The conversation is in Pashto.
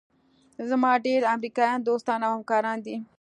زما ډېر امریکایان دوستان او همکاران دي.